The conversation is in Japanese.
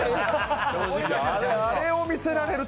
あれを見せられると。